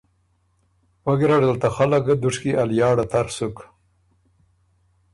پۀ ګیرډه ل ته خلق ګۀ دُشکی ا لیاړه تر سُک،